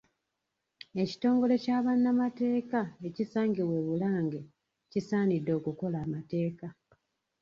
Ekitongole kya bannamateeka, ekisangibwa e Bulange kisaanidde okukola amateeka.